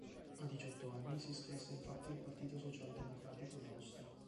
A diciotto anni si iscrisse infatti al Partito Socialdemocratico d'Austria.